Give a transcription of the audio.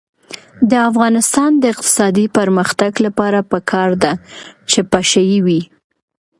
د افغانستان د اقتصادي پرمختګ لپاره پکار ده چې پشه یي وي.